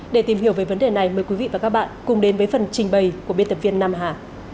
để tìm hiểu về vấn đề này mời quý vị và các bạn cùng đến với phần trình bày của biên tập viên nam hà